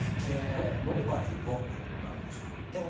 どこからヒップホップが入ってくる。